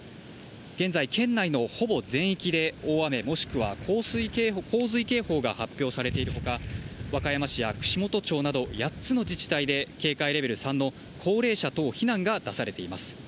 現在、県内のほぼ全域で大雨もしくは洪水警報が発表されている他、和歌山市や串本町など８つの自治体で警戒レベル３の高齢者等避難が出されています。